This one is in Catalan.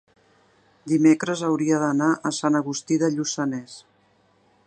dimecres hauria d'anar a Sant Agustí de Lluçanès.